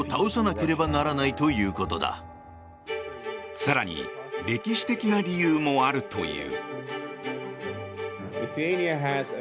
更に歴史的な理由もあるという。